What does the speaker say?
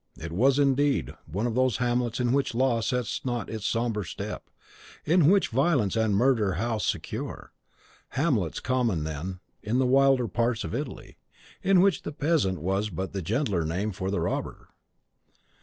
It was, indeed, one of those hamlets in which Law sets not its sober step, in which Violence and Murder house secure, hamlets common then in the wilder parts of Italy, in which the peasant was but the gentler name for the robber.